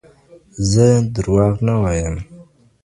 زه درواغ نه وایم.